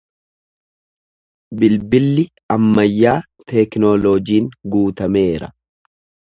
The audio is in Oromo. Bilbilli ammayyaa teknooloojiin guutameera.